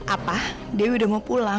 apa dia udah mau pulang